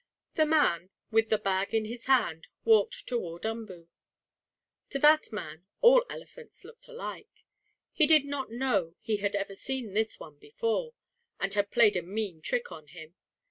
The man, with the bag in his hand, walked toward Umboo. To that man all elephants looked alike. He did not know he had ever seen this one before, and had played a mean trick on him.